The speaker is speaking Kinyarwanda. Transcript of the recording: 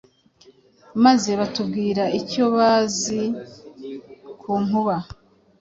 maze batubwira icyo bazi ku nkuba.